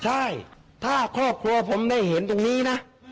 ใช่ถ้าครอบครัวผมได้เห็นตรงนี้นะ